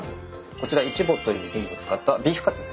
こちらイチボという部位を使ったビーフカツレツ。